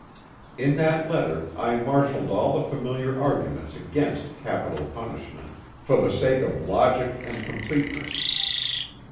In that letter I marshalled all the familiar arguments against capital punishment, for the sake of logic and completeness.